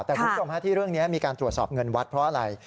แต่คุณผู้ชมที่เรื่องนี้มีการตรวจสอบเงินวัดเพราะอะไร